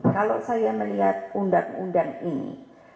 kalau saya melihat undang undang ini